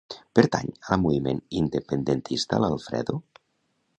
Pertany al moviment independentista l'Alfredo?